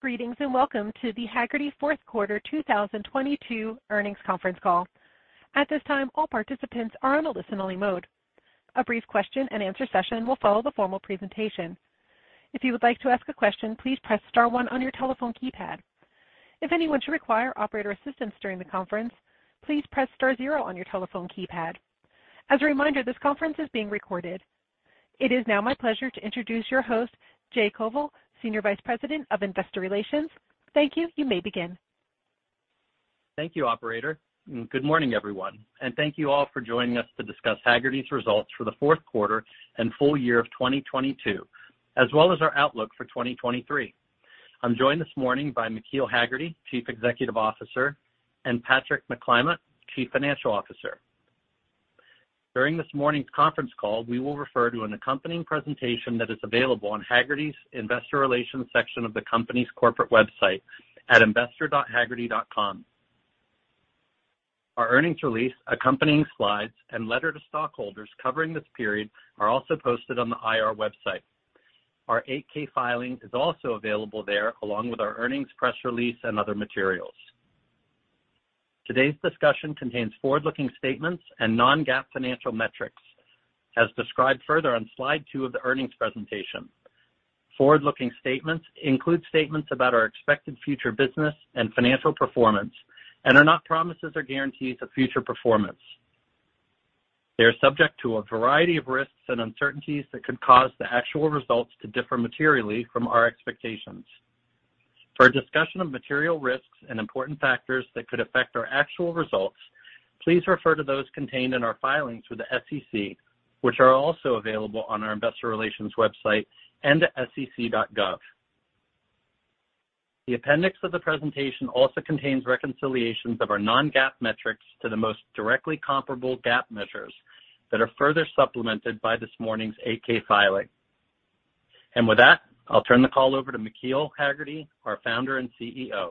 Greetings, welcome to the Hagerty Fourth Quarter 2022 Earnings Conference Call. At this time, all participants are on a listen-only mode. A brief question-and-answer session will follow the formal presentation. If you would like to ask a question, please press star one on your telephone keypad. If anyone should require operator assistance during the conference, please press star zero on your telephone keypad. As a reminder, this conference is being recorded. It is now my pleasure to introduce your host, Jay Koval, Senior Vice President of Investor Relations. Thank you. You may begin. Thank you, Operator, good morning, everyone, thank you all for joining us to discuss Hagerty's Results for the Fourth Quarter and Full Year of 2022, as well as our outlook for 2023. I'm joined this morning by McKeel Hagerty, Chief Executive Officer, and Patrick McClymont, Chief Financial Officer. During this morning's conference call, we will refer to an accompanying presentation that is available on Hagerty's Investor Relations section of the company's corporate website at investor.hagerty.com. Our earnings release, accompanying slides, and letter to stockholders covering this period are also posted on the IR website. Our 8-K filing is also available there, along with our earnings press release and other materials. Today's discussion contains forward-looking statements and non-GAAP financial metrics, as described further on slide two of the earnings presentation. Forward-looking statements include statements about our expected future business and financial performance and are not promises or guarantees of future performance. They are subject to a variety of risks and uncertainties that could cause the actual results to differ materially from our expectations. For a discussion of material risks and important factors that could affect our actual results, please refer to those contained in our filings with the SEC, which are also available on our Investor Relations website and at sec.gov. The appendix of the presentation also contains reconciliations of our non-GAAP metrics to the most directly comparable GAAP measures that are further supplemented by this morning's 8-K filing. With that, I'll turn the call over to McKeel Hagerty, our founder and CEO.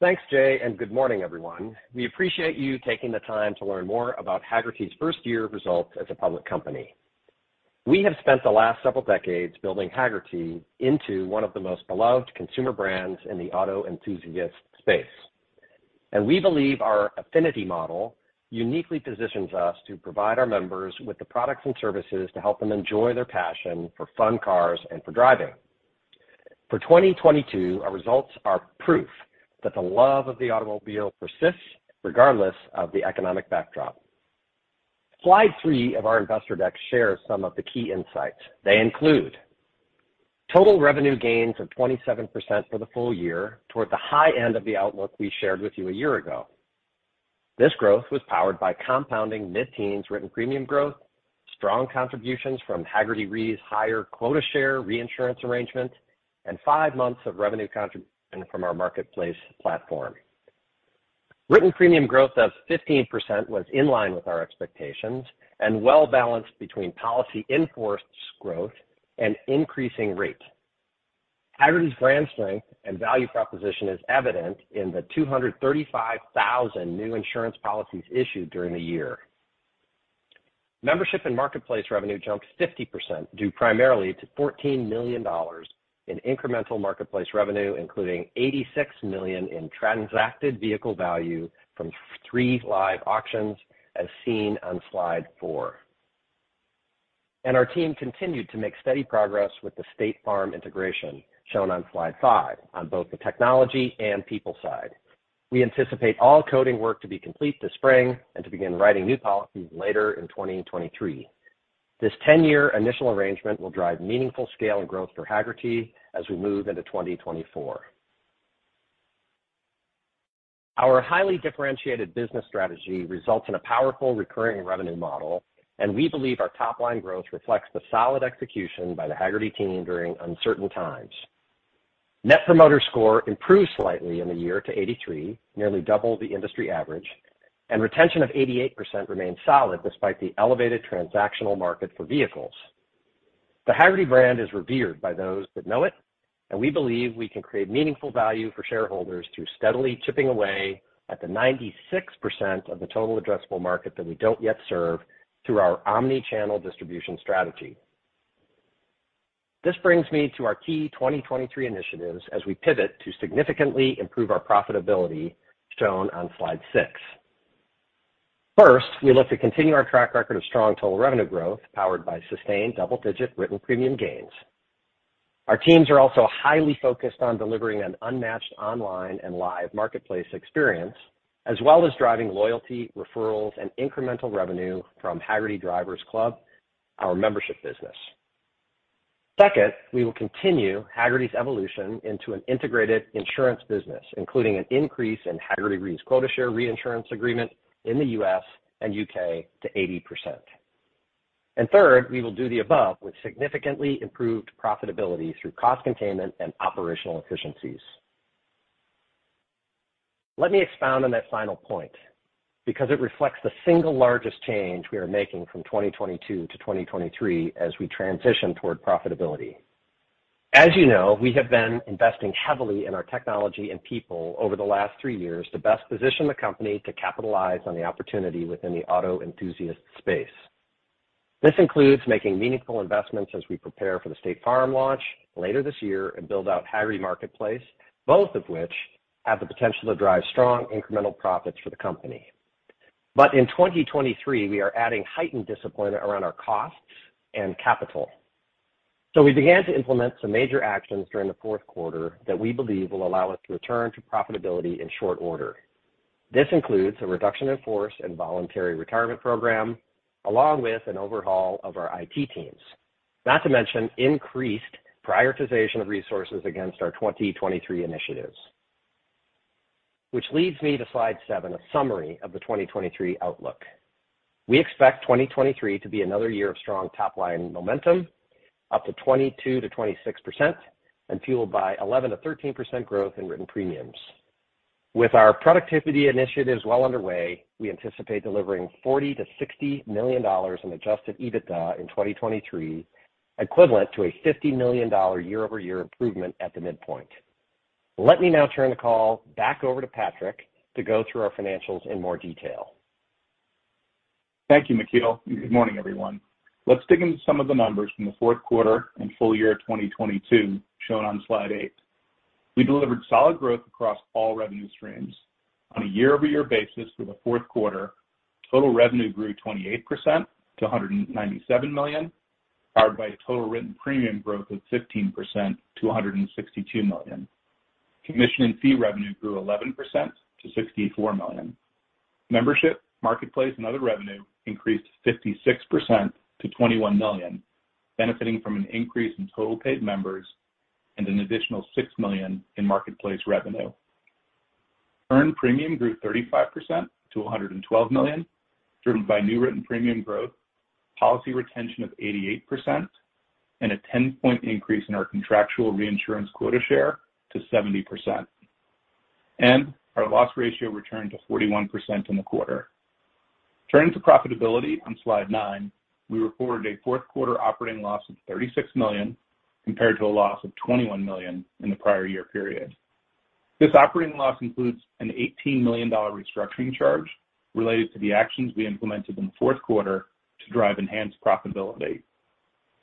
Thanks, Jay. Good morning, everyone. We appreciate you taking the time to learn more about Hagerty's first year results as a public company. We have spent the last several decades building Hagerty into one of the most beloved consumer brands in the auto enthusiast space. We believe our affinity model uniquely positions us to provide our members with the products and services to help them enjoy their passion for fun cars and for driving. For 2022, our results are proof that the love of the automobile persists regardless of the economic backdrop. Slide three of our investor deck shares some of the key insights. They include total revenue gains of 27% for the full year toward the high end of the outlook we shared with you a year ago. This growth was powered by compounding mid-teens written premium growth, strong contributions from Hagerty Re's higher quota share reinsurance arrangement, and five months of revenue contribution from our marketplace platform. Written premium growth of 15% was in line with our expectations and well-balanced between policy in-force growth and increasing rate. Hagerty's brand strength and value proposition is evident in the 235,000 new insurance policies issued during the year. Membership and marketplace revenue jumped 50%, due primarily to $14 million in incremental marketplace revenue, including $86 million in transacted vehicle value from three live auctions, as seen on slide four. Our team continued to make steady progress with the State Farm integration shown on slide five on both the technology and people side. We anticipate all coding work to be complete this spring and to begin writing new policies later in 2023. This 10-year initial arrangement will drive meaningful scale and growth for Hagerty as we move into 2024. Our highly differentiated business strategy results in a powerful recurring revenue model, we believe our top-line growth reflects the solid execution by the Hagerty team during uncertain times. Net Promoter Score improved slightly in the year to 83%, nearly double the industry average, and retention of 88% remained solid despite the elevated transactional market for vehicles. The Hagerty brand is revered by those that know it, and we believe we can create meaningful value for shareholders through steadily chipping away at the 96% of the total addressable market that we don't yet serve through our omnichannel distribution strategy. This brings me to our key 2023 initiatives as we pivot to significantly improve our profitability, shown on slide six. First, we look to continue our track record of strong total revenue growth, powered by sustained double-digit written premium gains. Our teams are also highly focused on delivering an unmatched online and live marketplace experience, as well as driving loyalty, referrals, and incremental revenue from Hagerty Drivers Club, our membership business. Second, we will continue Hagerty's evolution into an integrated insurance business, including an increase in Hagerty Re's quota share reinsurance agreement in the U.S. and U.K. to 80%. Third, we will do the above with significantly improved profitability through cost containment and operational efficiencies. Let me expound on that final point, because it reflects the single largest change we are making from 2022-2023 as we transition toward profitability. As you know, we have been investing heavily in our technology and people over the last three years to best position the company to capitalize on the opportunity within the auto enthusiast space. This includes making meaningful investments as we prepare for the State Farm launch later this year and build out Hagerty Marketplace, both of which have the potential to drive strong incremental profits for the company. In 2023, we are adding heightened discipline around our costs and capital. We began to implement some major actions during the fourth quarter that we believe will allow us to return to profitability in short order. This includes a reduction in force and voluntary retirement program, along with an overhaul of our IT teams, not to mention increased prioritization of resources against our 2023 initiatives. Which leads me to slide seven, a summary of the 2023 outlook. We expect 2023 to be another year of strong top line momentum, up to 22%-26% fueled by 11%-13% growth in written premiums. With our productivity initiatives well underway, we anticipate delivering $40 million-$60 million in Adjusted EBITDA in 2023, equivalent to a $50 million year-over-year improvement at the midpoint. Let me now turn the call back over to Patrick to go through our financials in more detail. Thank you, McKeel. Good morning, everyone. Let's dig into some of the numbers from the fourth quarter and full year 2022 shown on slide eight. We delivered solid growth across all revenue streams. On a year-over-year basis for the fourth quarter, total revenue grew 28% to $197 million, powered by total written premium growth of 15% to $162 million. Commission and fee revenue grew 11% to $64 million. Membership, marketplace, and other revenue increased 56% to $21 million, benefiting from an increase in total paid members and an additional $6 million in marketplace revenue. Earned premium grew 35% to $112 million, driven by new written premium growth, policy retention of 88%, and a 10-point increase in our contractual reinsurance quota share to 70%. Our loss ratio returned to 41% in the quarter. Turning to profitability on slide nine, we reported a fourth quarter operating loss of $36 million compared to a loss of $21 million in the prior year period. This operating loss includes an $18 million restructuring charge related to the actions we implemented in the fourth quarter to drive enhanced profitability.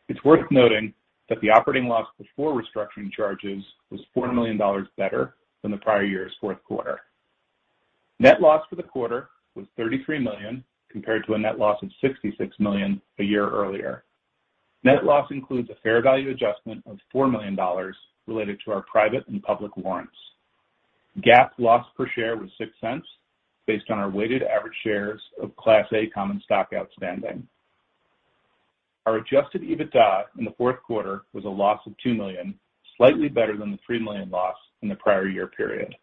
It's worth noting that the operating loss before restructuring charges was $4 million better than the prior year's fourth quarter. Net loss for the quarter was $33 million, compared to a net loss of $66 million a year earlier. Net loss includes a fair value adjustment of $4 million related to our private and public warrants. GAAP loss per share was $0.06 based on our weighted average shares of Class A common stock outstanding. Our Adjusted EBITDA in the fourth quarter was a loss of $2 million, slightly better than the $3 million loss in the prior year period.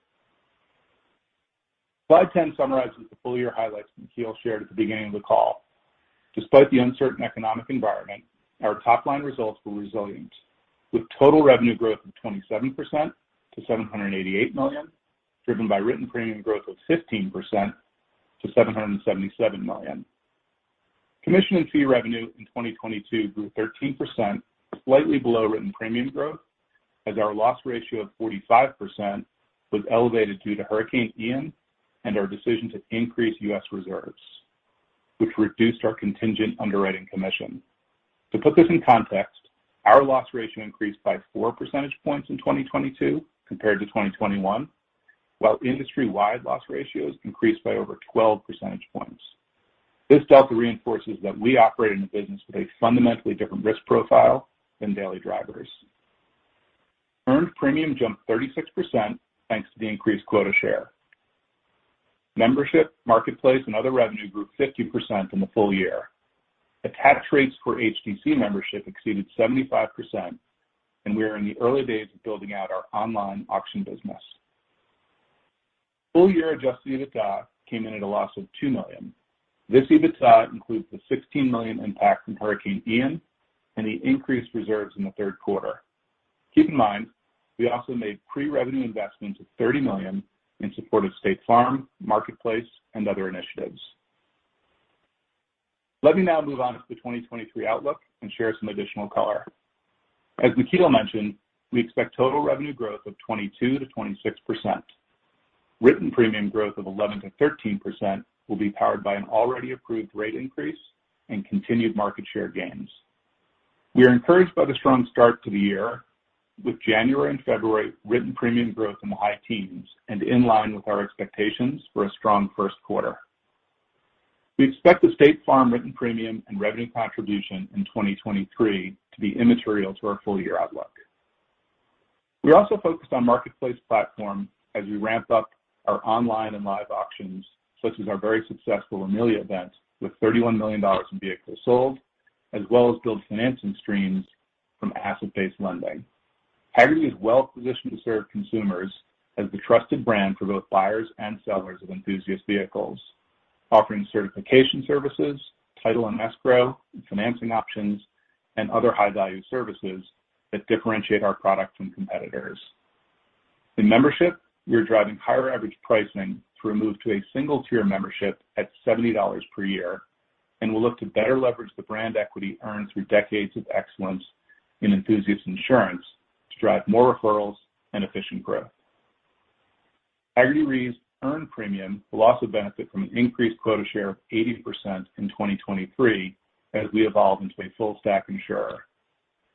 Slide 10 summarizes the full-year highlights McKeel shared at the beginning of the call. Despite the uncertain economic environment, our top-line results were resilient, with total revenue growth of 27% to $788 million, driven by written premium growth of 15% to $777 million. Commission and fee revenue in 2022 grew 13%, slightly below written premium growth, as our loss ratio of 45% was elevated due to Hurricane Ian and our decision to increase U.S. reserves, which reduced our contingent underwriting commission. To put this in context, our loss ratio increased by four percentage points in 2022 compared to 2021, while industry-wide loss ratios increased by over 12 percentage points. This delta reinforces that we operate in a business with a fundamentally different risk profile than daily drivers. Earned premium jumped 36%, thanks to the increased quota share. Membership, Marketplace, and other revenue grew 50% in the full year. Attach rates for HDC membership exceeded 75%, and we are in the early days of building out our online auction business. Full year Adjusted EBITDA came in at a loss of $2 million. This EBITDA includes the $16 million impact from Hurricane Ian and the increased reserves in the third quarter. Keep in mind, we also made pre-revenue investments of $30 million in support of State Farm, Marketplace, and other initiatives. Let me now move on to the 2023 outlook and share some additional color. As McKeel mentioned, we expect total revenue growth of 22%-26%. Written premium growth of 11%-13% will be powered by an already approved rate increase and continued market share gains. We are encouraged by the strong start to the year, with January and February written premium growth in the high teens and in line with our expectations for a strong first quarter. We expect the State Farm written premium and revenue contribution in 2023 to be immaterial to our full-year outlook. We also focused on Marketplace platform as we ramp up our online and live auctions, such as our very successful Amelia event, with $31 million in vehicles sold, as well as build financing streams from asset-based lending. Hagerty is well-positioned to serve consumers as the trusted brand for both buyers and sellers of enthusiast vehicles, offering certification services, title and escrow, and financing options, and other high-value services that differentiate our product from competitors. In membership, we are driving higher average pricing through a move to a single-tier membership at $70 per year. We'll look to better leverage the brand equity earned through decades of excellence in enthusiast insurance to drive more referrals and efficient growth. Hagerty Re's earned premium will also benefit from an increased quota share of 80% in 2023 as we evolve into a full-stack insurer.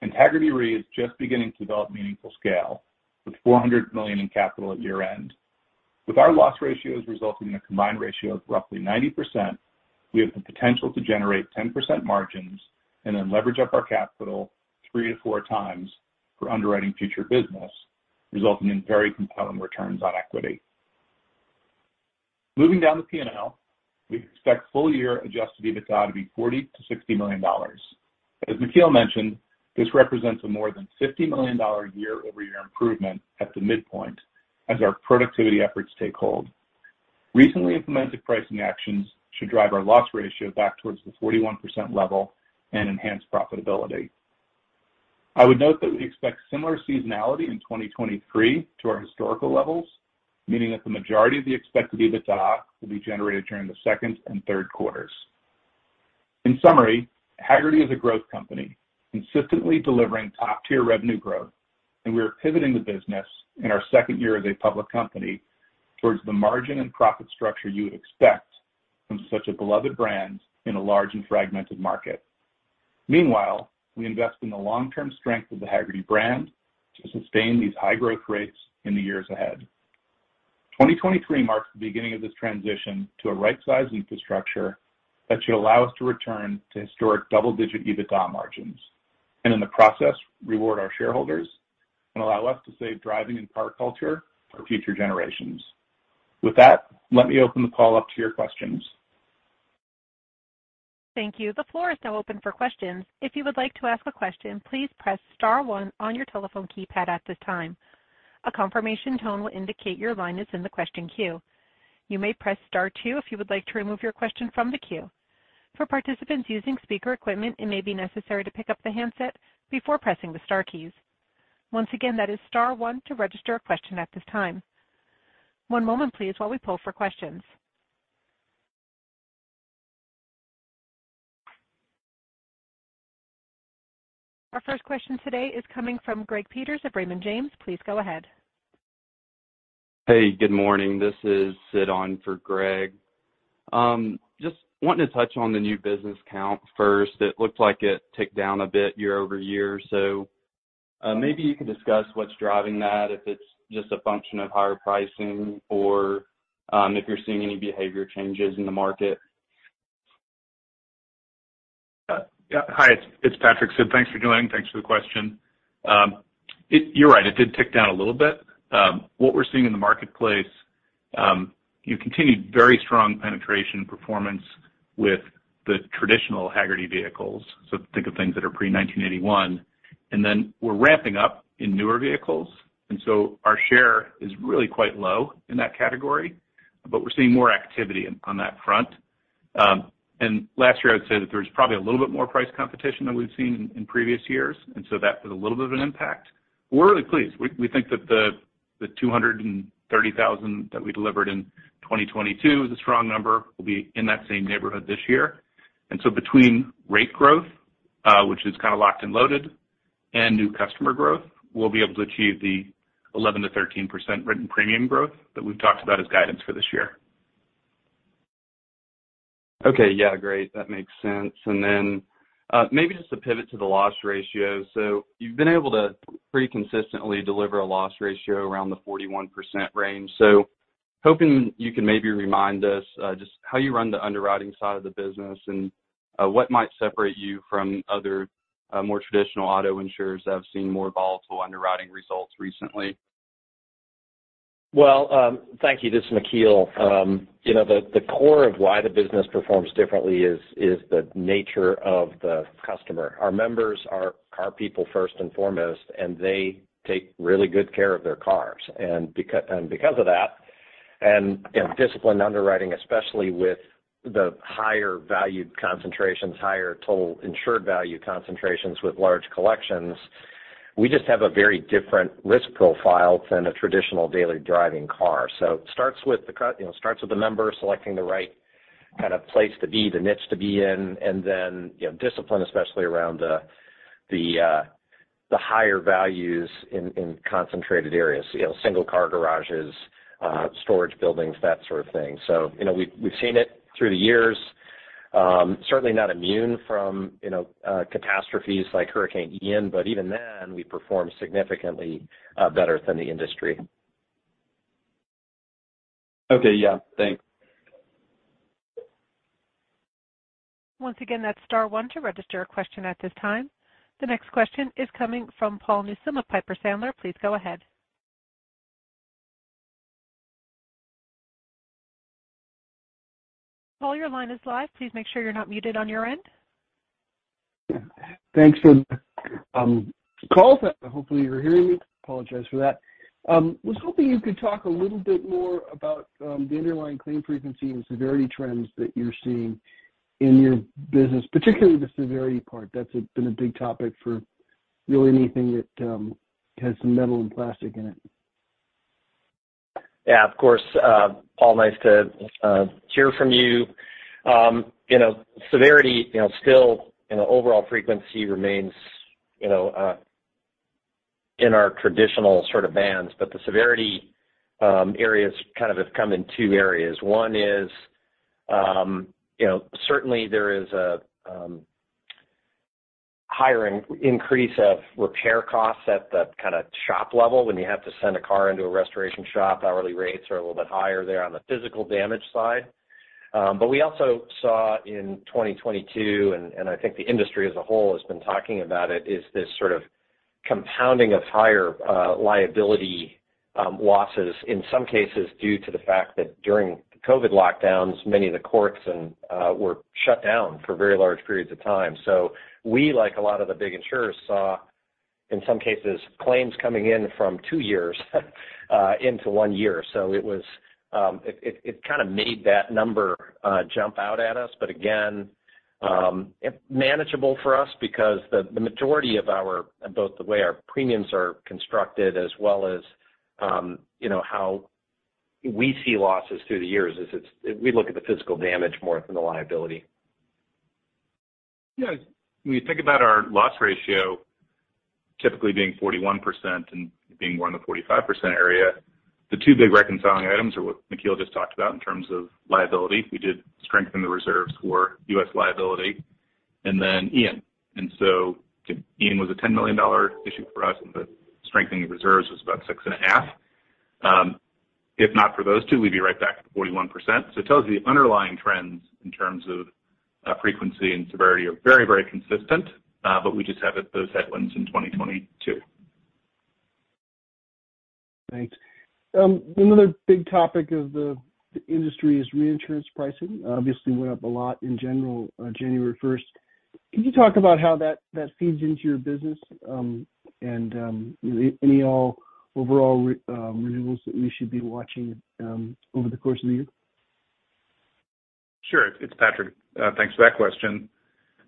Hagerty Re is just beginning to develop meaningful scale with $400 million in capital at year-end. With our loss ratios resulting in a combined ratio of roughly 90%, we have the potential to generate 10% margins and then leverage up our capital 3x-4x for underwriting future business, resulting in very compelling returns on equity. Moving down the P&L, we expect full year Adjusted EBITDA to be $40 million-$60 million. As McKeel mentioned, this represents a more than $50 million year-over-year improvement at the midpoint as our productivity efforts take hold. Recently implemented pricing actions should drive our loss ratio back towards the 41% level and enhance profitability. I would note that we expect similar seasonality in 2023 to our historical levels, meaning that the majority of the expected EBITDA will be generated during the second and third quarters. In summary, Hagerty is a growth company consistently delivering top-tier revenue growth, and we are pivoting the business in our second year as a public company towards the margin and profit structure you would expect from such a beloved brand in a large and fragmented market. Meanwhile, we invest in the long-term strength of the Hagerty brand to sustain these high growth rates in the years ahead. 2023 marks the beginning of this transition to a right-sized infrastructure that should allow us to return to historic double-digit EBITDA margins and, in the process, reward our shareholders and allow us to save driving and car culture for future generations. With that, let me open the call up to your questions. Thank you. The floor is now open for questions. If you would like to ask a question, please press star one on your telephone keypad at this time. A confirmation tone will indicate your line is in the question queue. You may press star two if you would like to remove your question from the queue. For participants using speaker equipment, it may be necessary to pick up the handset before pressing the star keys. Once again, that is star one to register a question at this time. One moment please while we pull for questions. Our first question today is coming from Greg Peters of Raymond James. Please go ahead. Hey, good morning. This is Sid on for Greg. Just wanting to touch on the new business count first. It looked like it ticked down a bit year-over-year. Maybe you could discuss what's driving that, if it's just a function of higher pricing or, if you're seeing any behavior changes in the market? Yeah, hi, it's Patrick, Sid. Thanks for joining. Thanks for the question. You're right, it did tick down a little bit. What we're seeing in the marketplace, you know, continued very strong penetration performance with the traditional Hagerty vehicles. Think of things that are pre-1981. We're ramping up in newer vehicles, our share is really quite low in that category, but we're seeing more activity on that front. Last year I would say that there was probably a little bit more price competition than we've seen in previous years, that had a little bit of an impact. We're really pleased. We think that the 230,000 that we delivered in 2022 is a strong number. We'll be in that same neighborhood this year. Between rate growth, which is kind of locked and loaded, and new customer growth, we'll be able to achieve the 11%-13% written premium growth that we've talked about as guidance for this year. Yeah, great. That makes sense. Then, maybe just to pivot to the loss ratio. You've been able to pretty consistently deliver a loss ratio around the 41% range. Hoping you can maybe remind us, just how you run the underwriting side of the business and what might separate you from other, more traditional auto insurers that have seen more volatile underwriting results recently. Thank you. This is McKeel. You know, the core of why the business performs differently is the nature of the customer. Our members are car people first and foremost, and they take really good care of their cars. Because of that and, you know, disciplined underwriting, especially with the higher valued concentrations, higher total insured value concentrations with large collections, we just have a very different risk profile than a traditional daily driving car. It starts with the, you know, starts with the member selecting the right kind of place to be, the niche to be in, and then, you know, discipline, especially around the higher values in concentrated areas. You know, single car garages, storage buildings, that sort of thing. You know, we've seen it through the years. Certainly not immune from, you know, catastrophes like Hurricane Ian, but even then, we performed significantly, better than the industry. Okay. Yeah. Thanks. Once again, that's star one to register a question at this time. The next question is coming from Paul Newsome of Piper Sandler. Please go ahead. Paul, your line is live. Please make sure you're not muted on your end. Thanks for the call. Hopefully, you're hearing me. Apologize for that. Was hoping you could talk a little bit more about the underlying claim frequency and severity trends that you're seeing in your business, particularly the severity part. That's been a big topic for really anything that has some metal and plastic in it. Yeah, of course. Paul, nice to hear from you. You know, severity, you know, still, you know, overall frequency remains, you know, In our traditional sort of bands, but the severity areas kind of have come in two areas. One is, you know, certainly there is a hiring increase of repair costs at the kinda shop level when you have to send a car into a restoration shop. Hourly rates are a little bit higher there on the physical damage side. We also saw in 2022, and I think the industry as a whole has been talking about it, is this sort of compounding of higher liability losses in some cases due to the fact that during the COVID lockdowns, many of the courts and were shut down for very large periods of time. We, like a lot of the big insurers, saw in some cases claims coming in from two years into one year. It was, it kind of made that number jump out at us. Again, it manageable for us because the majority of our, both the way our premiums are constructed as well as, you know, how we see losses through the years is it's. We look at the physical damage more than the liability. When you think about our loss ratio typically being 41% and being more in the 45% area, the two big reconciling items are what McKeel just talked about in terms of liability. We did strengthen the reserves for U.S. liability and then Ian. Ian was a $10 million issue for us, and the strengthening of reserves was about six and a half. If not for those two, we'd be right back at 41%. It tells you the underlying trends in terms of frequency and severity are very, very consistent, but we just have those headwinds in 2022. Thanks. another big topic of the industry is reinsurance pricing. Obviously went up a lot in general on January 1st. Can you talk about how that feeds into your business? Any at all overall renewals that we should be watching over the course of the year? Sure. It's Patrick. Thanks for that question.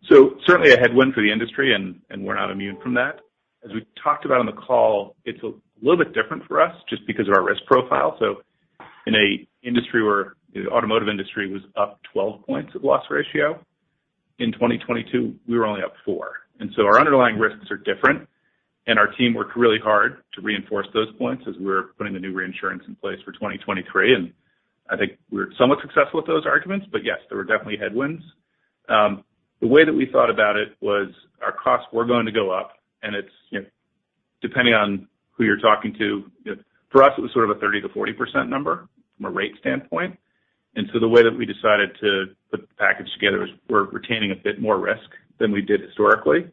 Certainly a headwind for the industry and we're not immune from that. As we talked about on the call, it's a little bit different for us just because of our risk profile. In an industry where the automotive industry was up 12 points of loss ratio, in 2022 we were only up 4. Our underlying risks are different, and our team worked really hard to reinforce those points as we're putting the new reinsurance in place for 2023. I think we're somewhat successful with those arguments. Yes, there were definitely headwinds. The way that we thought about it was our costs were going to go up, and it's, you know, depending on who you're talking to. For us, it was sort of a 30%-40% number from a rate standpoint. The way that we decided to put the package together is we're retaining a bit more risk than we did historically.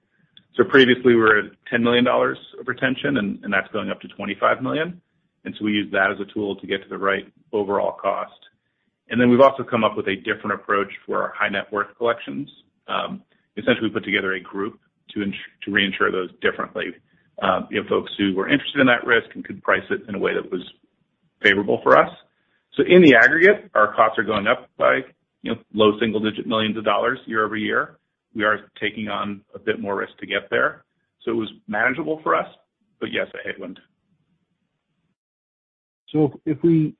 Previously we were at $10 million of retention, and that's going up to $25 million. We use that as a tool to get to the right overall cost. We've also come up with a different approach for our high net worth collections. Essentially, we put together a group to reinsure those differently. We have folks who were interested in that risk and could price it in a way that was favorable for us. In the aggregate, our costs are going up by, you know, low single-digit millions of dollars year-over-year. We are taking on a bit more risk to get there. It was manageable for us. Yes, a headwind. If we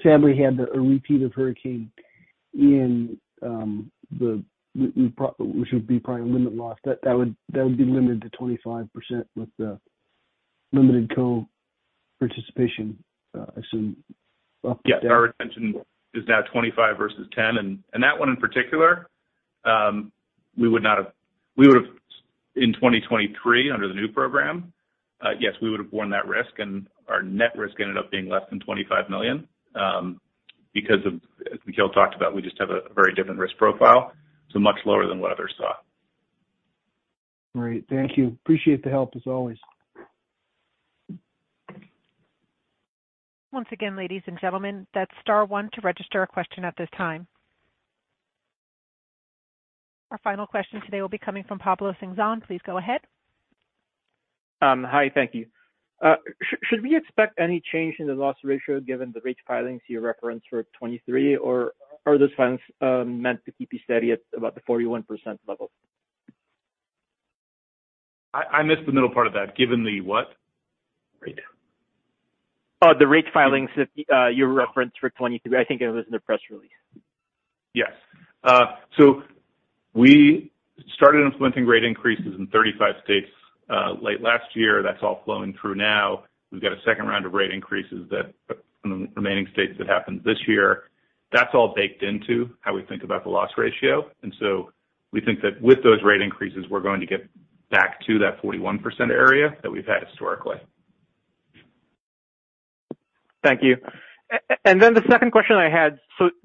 sadly had a repeat of Hurricane Ian, we should be probably limit loss. That would be limited to 25% with the limited co-participation, I assume. Yeah. Our retention is now $25 million versus $10 million. That one in particular, we would have in 2023 under the new program, yes, we would have worn that risk, and our net risk ended up being less than $25 million, because of, as McKeel talked about, we just have a very different risk profile, so much lower than what others saw. Great. Thank you. Appreciate the help, as always. Once again, ladies, and gentlemen, that's star one to register a question at this time. Our final question today will be coming from Pablo Singzon. Please go ahead. Hi. Thank you. Should we expect any change in the loss ratio given the rate filings you referenced for 2023? Are those plans meant to keep you steady at about the 41% level? I missed the middle part of that. Given the what? Rate. The rate filings that you referenced for 2023. I think it was in the press release. Yes. We started implementing rate increases in 35 states late last year. That's all flowing through now. We've got a second round of rate increases from the remaining states that happened this year. That's all baked into how we think about the loss ratio. We think that with those rate increases, we're going to get back to that 41% area that we've had historically. Thank you. Then the second question I had.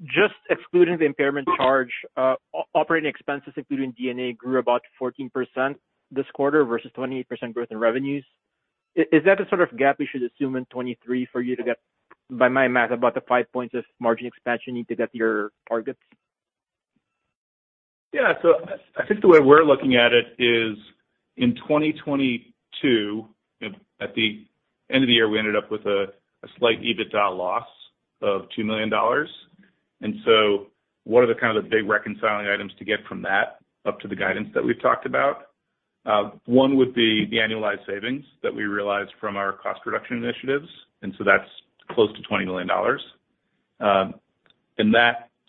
Just excluding the impairment charge, operating expenses, including D&A, grew about 14% this quarter versus 28% growth in revenues. Is that the sort of gap we should assume in 2023 for you to get, by my math, about the five points of margin expansion you need to get to your targets? Yeah. I think the way we're looking at it is in 2022, at the end of the year, we ended up with a slight EBITDA loss of $2 million. What are the kind of the big reconciling items to get from that up to the guidance that we've talked about? One would be the annualized savings that we realized from our cost reduction initiatives, that's close to $20 million.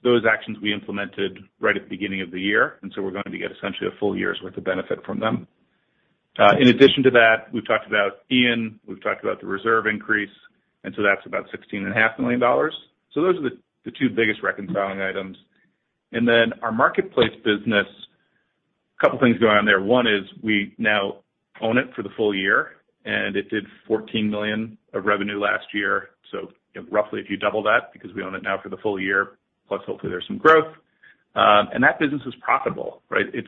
Those actions we implemented right at the beginning of the year, we're going to get essentially a full year's worth of benefit from them. In addition to that, we've talked about Ian, we've talked about the reserve increase, that's about $16.5 Million. Those are the two biggest reconciling items. Then our marketplace business, couple things going on there. One is we now own it for the full year, and it did $14 million of revenue last year. Roughly, if you double that, because we own it now for the full year, plus hopefully there's some growth. That business is profitable, right? It's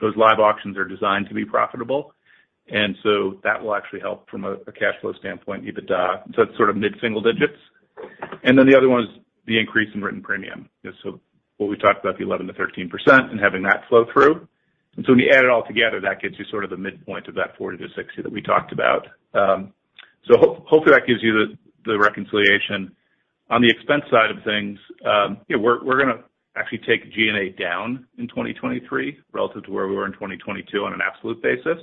those live auctions are designed to be profitable, so that will actually help from a cash flow standpoint, EBITDA. It's sort of mid-single digits. Then the other one is the increase in written premium. What we talked about the 11%-13% and having that flow through. So when you add it all together, that gets you sort of the midpoint of that $40 million-$60 million that we talked about. Hopefully that gives you the reconciliation. On the expense side of things, yeah, we're gonna actually take G&A down in 2023 relative to where we were in 2022 on an absolute basis.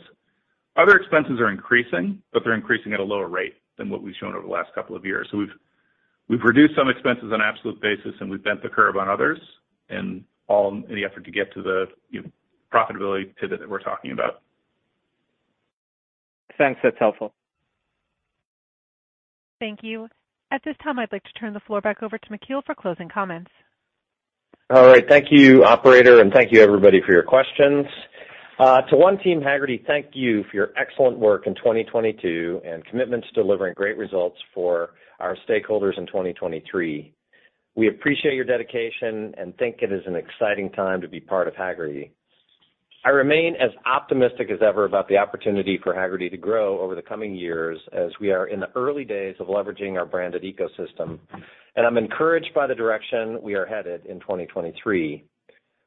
Other expenses are increasing, but they're increasing at a lower rate than what we've shown over the last couple of years. We've reduced some expenses on an absolute basis, and we've bent the curve on others and all in the effort to get to the, you know, profitability pivot that we're talking about. Thanks. That's helpful. Thank you. At this time, I'd like to turn the floor back over to McKeel for closing comments. All right. Thank you, Operator. Thank you everybody for your questions. To One Team Hagerty, thank you for your excellent work in 2022 and commitments to delivering great results for our stakeholders in 2023. We appreciate your dedication and think it is an exciting time to be part of Hagerty. I remain as optimistic as ever about the opportunity for Hagerty to grow over the coming years as we are in the early days of leveraging our branded ecosystem. I'm encouraged by the direction we are headed in 2023.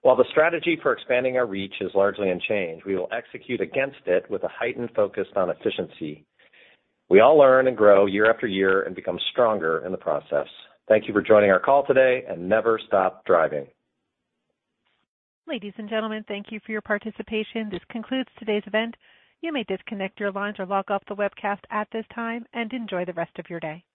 While the strategy for expanding our reach is largely unchanged, we will execute against it with a heightened focus on efficiency. We all learn and grow year after year and become stronger in the process. Thank you for joining our call today. Never stop driving. Ladies, and gentlemen, thank you for your participation. This concludes today's event. You may disconnect your lines or log off the webcast at this time, and enjoy the rest of your day.